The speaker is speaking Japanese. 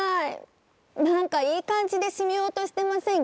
何かいい感じで締めようとしてませんか？